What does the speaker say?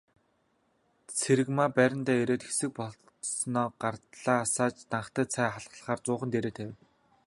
Цэрэгмаа байрандаа ирээд хэсэг болсноо галаа асааж данхтай цай халаахаар зуухан дээрээ тавив.